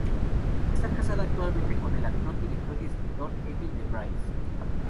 Está casada actualmente con el actor, director y escritor Edwin de Vries.